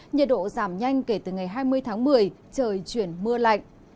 nhiệt độ giảm nhanh kể từ ngày hai mươi tháng một mươi trời chuyển mưa lạnh